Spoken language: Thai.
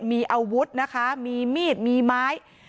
มีอาวุธนะคะมีมีดมีไม้